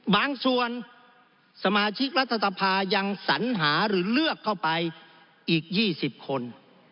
บางส่วนสมาชิกรัฐสภายังสัญหาหรือเลือกเข้าไปอีก๒๐คน